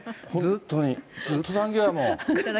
ずっと残業やもん。